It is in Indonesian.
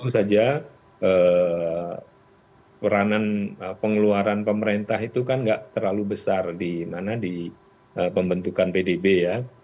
tentu saja peranan pengeluaran pemerintah itu kan nggak terlalu besar di mana di pembentukan pdb ya